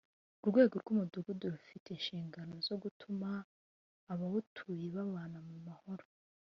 urwego rw’umudugudu rufite inshingano zo gutuma abawutuye babana mu mahoro.